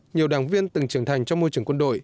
nhiều đảng viên từng trưởng thành trong môi trường quân đội